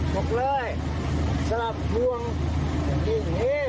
พกเลยสลับห่วงอย่างนี้